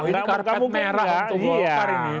ini karpet merah untuk golkar ini